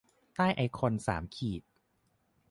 ใต้ไอคอนสามขีด